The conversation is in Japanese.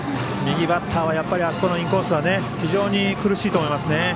右バッターはあそこのインコースは非常に苦しいと思いますね。